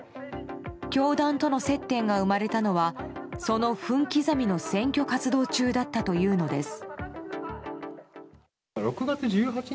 教団との接点が生まれたのはその分刻みの選挙活動中だったというのです。